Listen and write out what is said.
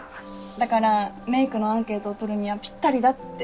だからメイクのアンケートを取るにはぴったりだって。